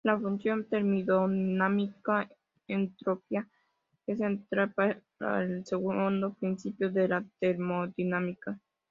La función termodinámica entropía es central para el segundo principio de la termodinámica.